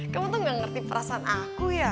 kamu tuh gak ngerti perasaan aku ya